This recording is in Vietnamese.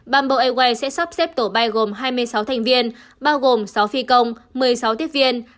bamboo airways sẽ sắp xếp tổ bay gồm hai mươi sáu thành viên bao gồm sáu phi công một mươi sáu tiếp viên